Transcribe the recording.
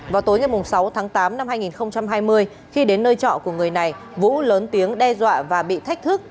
vào tối ngày sáu tháng tám năm hai nghìn hai mươi khi đến nơi trọ của người này vũ lớn tiếng đe dọa và bị thách thức